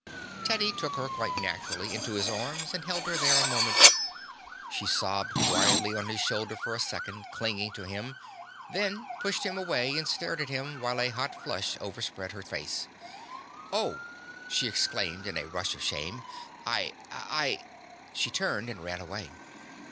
Teddy took her quite naturally into his arms and held her there a moment. She sobbed quietly on his shoulder for a second, clinging to him, then pushed him away and stared at him while a hot flush overspread her face. "Oh!" she exclaimed in a rush of shame. "I I " She turned and ran away.